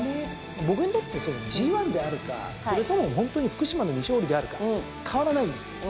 僕にとってＧⅠであるかそれとも福島の未勝利であるか変わらないんです。